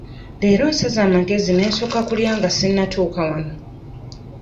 Leero nsaze amagezi ne nsooka kulya nga sinnatuuka wano.